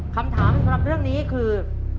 คำถามสำหรับเรื่องนี้คือ